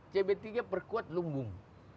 cb tiga perkuat lumbung